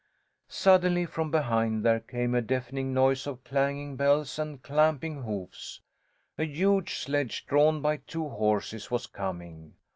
Suddenly, from behind, there came a deafening noise of clanging bells and clamping hoofs. A huge sledge, drawn by two horses, was coming.